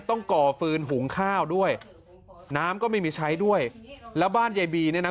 ก่อฟืนหุงข้าวด้วยน้ำก็ไม่มีใช้ด้วยแล้วบ้านยายบีเนี่ยนะ